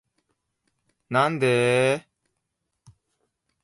なんでーーー